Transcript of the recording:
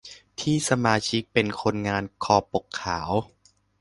ที่สมาชิกเป็นคนงานคอปกขาว